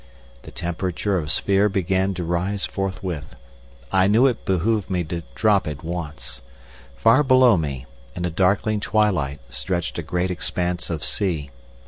The temperature of the sphere began to rise forthwith. I knew it behoved me to drop at once. Far below me, in a darkling twilight, stretched a great expanse of sea.